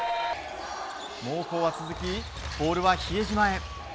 猛攻は続き、ボールは比江島へ。